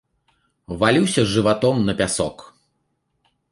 Валюся жыватом на пясок.